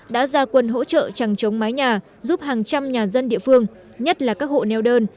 đã ra quân hỗ trợ trằng chống mái nhà giúp hàng trăm nhà dân địa phương nhất là các hộ neo đơn